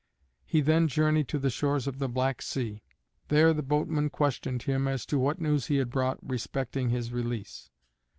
He then journeyed to the shores of the Black Sea. There the boatman questioned him as to what news he had brought respecting his release.